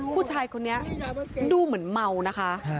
ผู้ชายคนนี้ดูเหมือนเมานะคะ